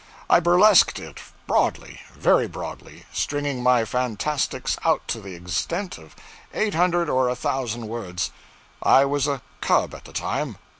I burlesqued it broadly, very broadly, stringing my fantastics out to the extent of eight hundred or a thousand words. I was a 'cub' at the time.